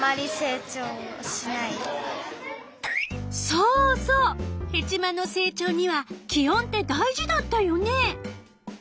そうそうヘチマの成長には気温って大事だったよね。